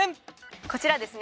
こちらですね